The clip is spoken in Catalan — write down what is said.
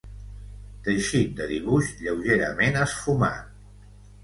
Teixit de dibuix lleugerament esfumat.